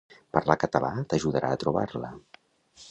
Parlar català t'ajudarà a trobar la.